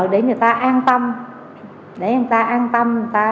để người ta an tâm để người ta an tâm